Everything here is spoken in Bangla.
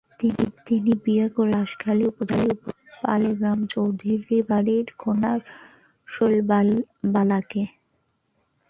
তিনি বিয়ে করেছিলেন বাশখালী উপজেলার পালেগ্রাম চৌধুরীবাড়ীর কন্যা শৈলবালাকে।